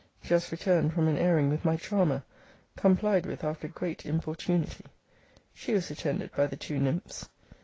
Just returned from an airing with my charmer, complied with after great importunity. She was attended by the two nymphs.